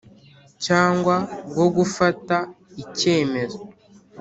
cyangwa bwo gufata icyemezo